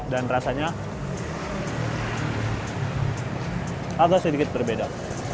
dan rasanya agak sedikit berbeda